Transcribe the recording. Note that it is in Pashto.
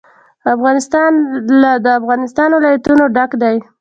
افغانستان له د افغانستان ولايتونه ډک دی.